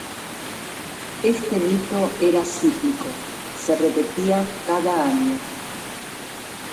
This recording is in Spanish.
Este mito era cíclico, se repetía cada año.